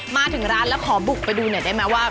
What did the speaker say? มาถึงร้านแล้วขอบุกไปดูหน่อยได้ไหมว่า